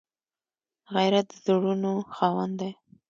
غیرت د زړونو خاوند دی